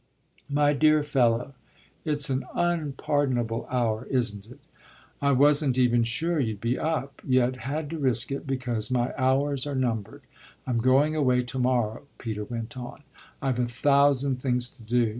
"My dear fellow, it's an unpardonable hour, isn't it? I wasn't even sure you'd be up, yet had to risk it, because my hours are numbered. I'm going away to morrow," Peter went on; "I've a thousand things to do.